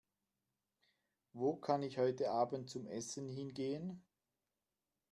Wo kann ich heute Abend zum Essen hingehen?